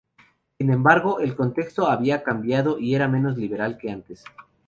Sin embargo, el contexto había cambiado y era menos liberal que antes.